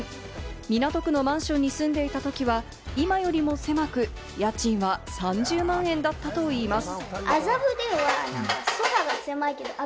港区のマンションに住んでいたときは、今よりも狭く、家賃は３０万円だったといいます。